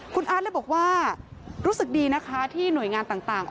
คุณอาร์ตเลยบอกว่ารู้สึกดีนะคะที่หน่วยงานต่าง